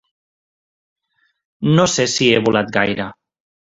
No sé si he volat gaire.